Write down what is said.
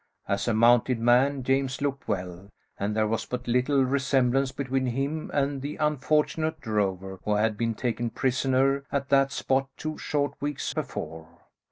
As a mounted man, James looked well, and there was but little resemblance between him and the unfortunate drover, who had been taken prisoner at that spot two short weeks before.